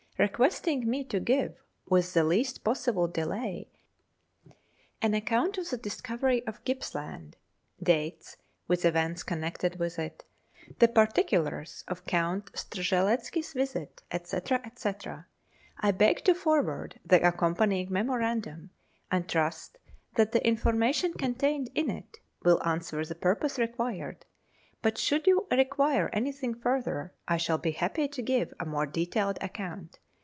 requesting me to give, with the least possible delay, an account of the discovery of Gippslaud ; dates, with events connected with it ; the particulars of Count Strzelecki's visit, &c., &c., I beg to forward the accompanying memorandum, and trust that the information contained in it will answer the purpose required ; but should you require anything further, I shall be happy to give a more detailed account.